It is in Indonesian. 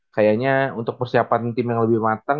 kayaknya untuk persiapan tim yang lebih matang